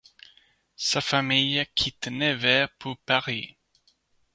Sa famille quitte Nevers pour Paris.